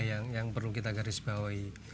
yang perlu kita garis bawahi